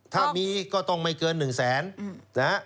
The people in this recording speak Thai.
ถ้ามีก็ต้องไม่เกิน๑๐๐๐๐๐บาท